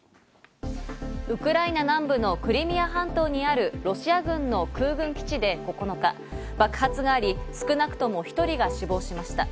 ウクライナ南部のクリミア半島にあるロシア軍の空軍基地で９日、爆発があり、少なくとも１人が死亡しました。